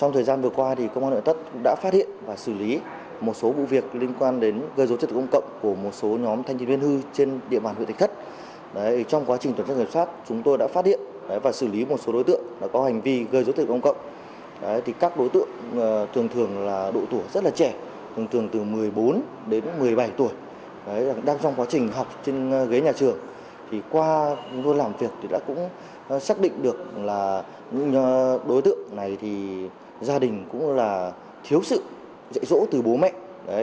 thì qua làm việc thì đã cũng xác định được là những đối tượng này thì gia đình cũng là thiếu sự dạy dỗ từ bố mẹ